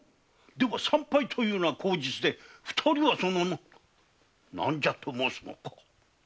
では参拝は口実で二人は何じゃと申すのか？